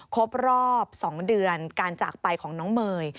ครบรอบ๒เดือนการจากไปของน้องเมย์